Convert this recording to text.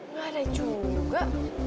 gak ada juga